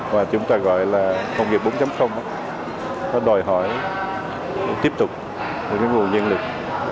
mà chúng ta gọi là công nghệ bốn nó đòi hỏi tiếp tục những nguồn nhân lực